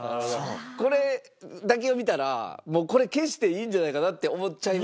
これだけを見たらもうこれ消していいんじゃないかなって思っちゃいますよね。